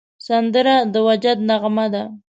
سندره د وجد نغمه ده